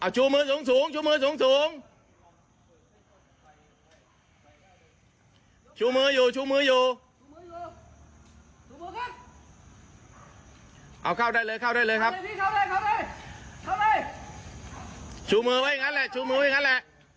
ชุมมือให้คันแหละ